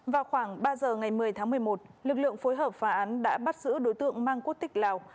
vào khoảng ba giờ ngày một mươi tháng một mươi một lực lượng phối hợp phá án đã bắt giữ đối tượng mang quốc tịch lào